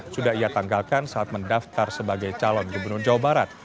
sudah ia tanggalkan saat mendaftar sebagai calon gubernur jawa barat